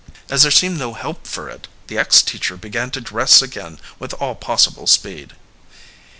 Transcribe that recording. As there seemed no help for it the ex teacher began to dress again with all possible speed.